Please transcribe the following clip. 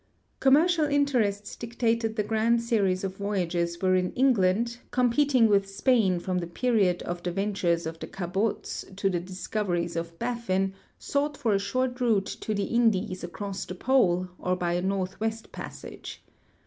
Commercial interests dictated the grand series of vo}^ages wherein England, competing with Spain from the period of the ventures of the Cabots to the discoveries of Baffin, sought for a short route to the Indies across the pole or by a northwest pas sage.